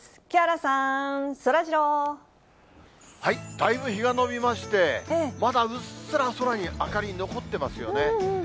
だいぶ、日が延びまして、まだうっすら空に明かり残ってますよね。